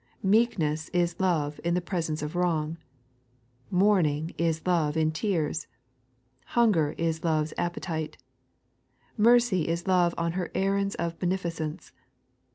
Meek ness is Iiove in the presence of wrong. Mourning is Iiove in tears. Hunger is Love's appetite. Mercy is Love on her errands of beneficence.